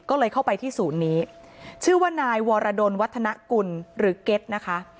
ก็เลยเข้าไปที่ศูนย์นี้ชื่อว่านายวรดลวัฒนกุลหรือเก็ตนะคะ